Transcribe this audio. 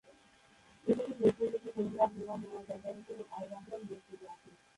এসকল মুসলিম দেশের কর্মীরা জুমার নামাজ আদায়ের জন্য আর-রাহমান মসজিদে আসেন।